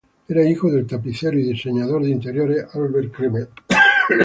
Era hijo del tapicero y diseñador de interiores Albert Cremer.